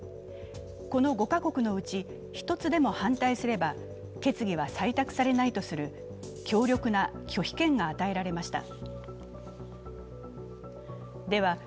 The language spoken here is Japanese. この５カ国のうち、１つでも反対すれば決議は採択されないとする強力な拒否権が与えられました。